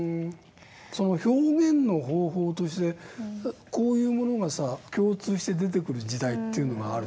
その表現の方法としてこういうものが共通して出てくる時代っていうのがある。